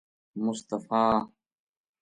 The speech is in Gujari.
مصطفی